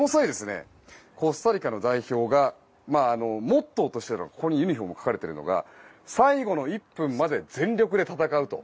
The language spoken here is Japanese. コスタリカの代表がモットーとしてのユニホームに書かれているのが最後の１分まで全力で戦うと。